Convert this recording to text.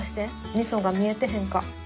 みそが見えてへんか。